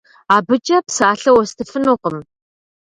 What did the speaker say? Абыкӏэ псалъэ уэстыфынукъым.